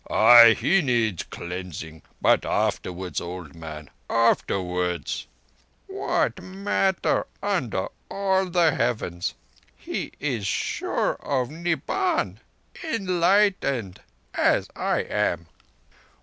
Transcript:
"Ay, he needs cleansing. But afterwards, old man—afterwards?" "What matter under all the Heavens? He is sure of Nibban—enlightened—as I am."